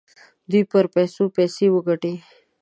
دوی پر پیسو پیسې وګټي.